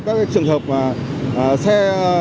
các trường hợp xe